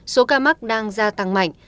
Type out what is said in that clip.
số ca mắc đang gia tăng mạnh